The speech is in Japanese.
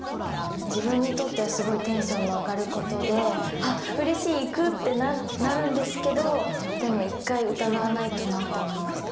自分にとってはすごいテンションの上がることで「あっうれしい！行く！」ってなるんですけどでも一回疑わないとなって思いました。